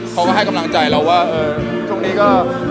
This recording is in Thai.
เขามาให้กำลังใจเราว่าช่วงนี้ก็